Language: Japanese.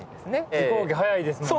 飛行機早いですもんね。